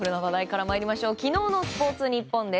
昨日のスポーツニッポンです。